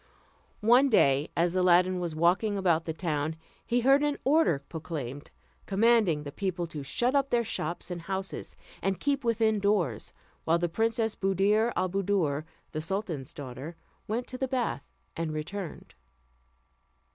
One day as Aladdin was walking about the town, he heard an order proclaimed, commanding the people to shut up their shops and houses, and keep within doors while the Princess Buddir al Buddoor, the sultan's daughter, went to the bath and returned.